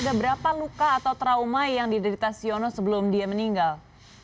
ada berapa luka atau trauma yang diderita siono sebelum dia meninggal